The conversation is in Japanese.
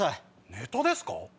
ネタですか？